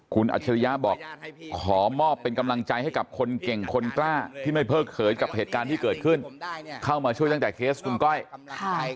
คุณอัจฉริยะบอกขอมอบเป็นกำลังใจให้กับคนเก่งคนกล้าที่ไม่เพิกเฉยกับเหตุการณ์ที่เกิดขึ้นเข้ามาช่วยตั้งแต่เคสคุณก้อยใช่